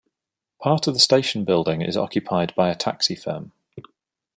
Part of the station building is occupied by a taxi firm.